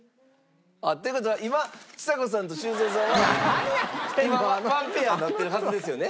っていう事は今ちさ子さんと修造さんは今は１ペアになってるはずですよね。